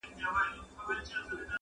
او لوستونکو ته پیغام ورکوي -